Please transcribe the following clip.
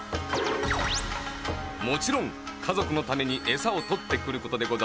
もちろんかぞくのためにえさをとってくることでござんすよ。